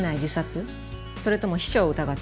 それとも秘書を疑ってる？